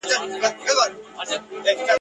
زه د باد په مخ کي شګوفه یمه رژېږمه !.